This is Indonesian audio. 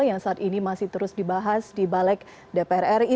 yang saat ini masih terus dibahas di balik dpr ri